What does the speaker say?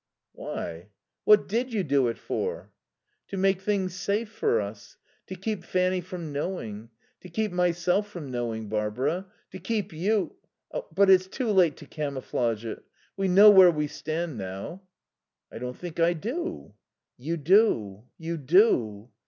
"Why what did you do it for?" "To make things safe for us. To keep Fanny from knowing. To keep myself from knowing, Barbara. To keep you.... But it's too late to camouflage it. We know where we stand now." "I don't think I do." "You do. You do."